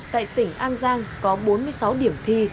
tại tỉnh an giang có bốn mươi sáu điểm thi